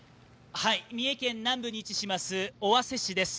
三重県南部に位置します尾鷲市です。